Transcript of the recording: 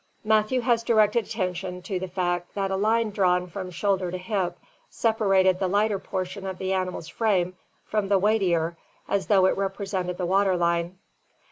Matthew has directed attention to the fact that a line drawn from shoulder to hip separates the lighter portion of the animal's frame from the weightier as though it represented the water line.